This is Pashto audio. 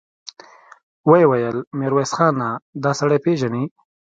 ويې ويل: ميرويس خانه! دآسړی پېژنې؟